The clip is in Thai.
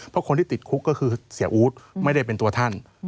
เพราะคนที่ติดคุกก็คือเสียอู๊ดไม่ได้เป็นตัวท่าน